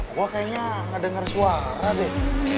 gua kayaknya nggak denger suara deh